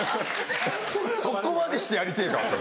そこまでしてやりてぇか！と。